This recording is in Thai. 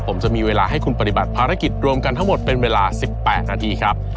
ผมจะมีเวลาให้คุณปฏิบัติภารกิจรวมกันทั้งหมดเป็นเวลา๑๘นาทีครับ